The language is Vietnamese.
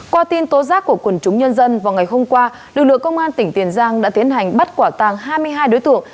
qua tin tố giác của quần chúng nhân dân vào ngày hôm qua lực lượng công an tỉnh tiền giang đã tiến hành bắt quả tàng hai mươi hai đối tượng